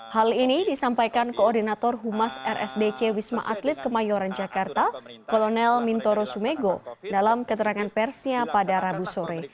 hal ini disampaikan koordinator humas rsdc wisma atlet kemayoran jakarta kolonel mintoro sumego dalam keterangan persnya pada rabu sore